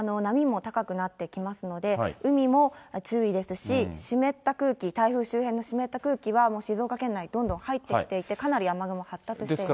もう波も高くなってきますので、海も注意ですし、湿った空気、台風周辺の湿った空気はもう静岡県内、どんどん入ってきていて、かなり雨雲発達しています。